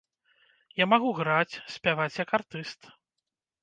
Я магу граць, спяваць як артыст.